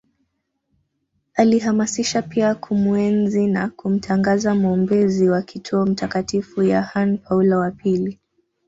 Alihamasisha pia kumuenzi na kumtangaza mwombezi wa kituo Mtakatifu Yahane Paulo wa pili